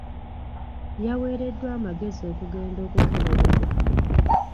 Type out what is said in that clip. Yaweereddwa amagezi okugenda okukeberebwa.